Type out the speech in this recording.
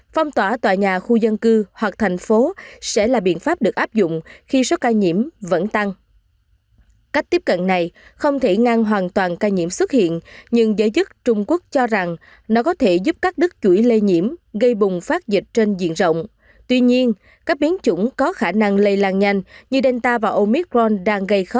phong tỏa tòa nhà khu dân cư hoặc thành phố sẽ là biện pháp được áp dụng khi số ca nhiễm vẫn tăng